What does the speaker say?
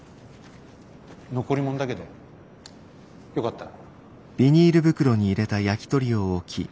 残り物だけどよかったら。